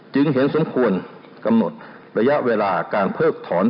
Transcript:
จึงเห็นสมควรกำหนดระยะเวลาการเพิกถอน